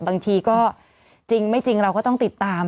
บางทีก็จริงไม่จริงเราก็ต้องติดตาม